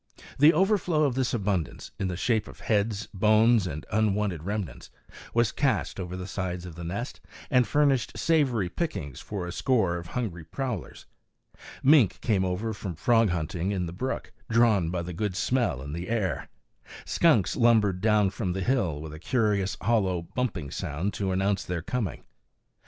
The overflow of this abundance, in the shape of heads, bones and unwanted remnants, was cast over the sides of the nest and furnished savory pickings for a score of hungry prowlers. Mink came over from frog hunting in the brook, drawn by the good smell in the air. Skunks lumbered down from the hill, with a curious, hollow, bumping sound to announce their coming.